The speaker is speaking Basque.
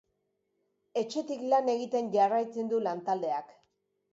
Etxetik lan egiten jarraitzen du lantaldeak.